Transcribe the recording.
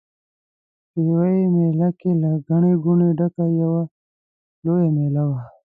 د پېوې مېله له ګڼې ګوڼې ډکه یوه لویه مېله وه.